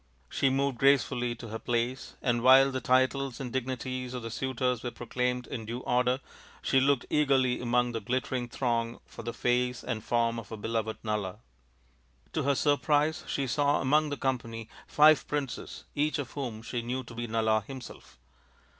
She moved gracefully to her place, and while the titles and dignities of the suitors were proclaimed in due order she looked eagerly among the glittering throng for the face and form of her beloved Nala. To her surprise she saw among the company five princes, each of whom she knew to be Nala him self.